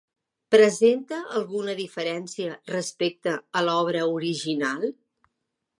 Presenta alguna diferència respecte a l'obra original?